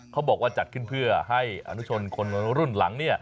เขาบอกว่าจัดขึ้นเพื่อให้อนุชนคนรุ่นหลัง